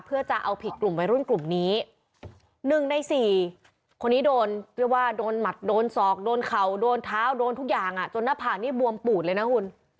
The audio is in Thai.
เพื่อจะเอาผิดกลุ่มวัยรุ่นกลุ่มนี้หนึ่งในสี่คนนี้โดนเรียกว่าโดนหมัดโดนศอกโดนเข่าโดนเท้าโดนทุกอย่างจนหน้าผากนี่บวมปูดเลยนะคุณ